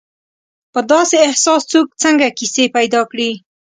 په داسې احساس څوک څنګه کیسې پیدا کړي.